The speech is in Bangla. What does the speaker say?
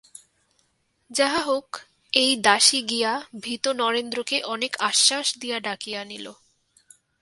যাহা হউক, এই দাসী গিয়া ভীত নরেন্দ্রকে অনেক আশ্বাস দিয়া ডাকিয়া আনিল।